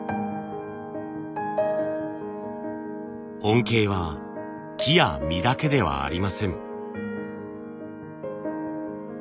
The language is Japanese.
恩恵は木や実だけではありません。